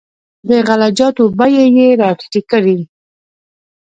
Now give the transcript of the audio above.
د غله جاتو بیې یې راټیټې کړې.